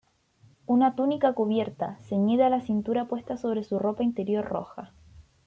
Una túnica cubierta, ceñida a la cintura puesta sobre su ropa interior roja.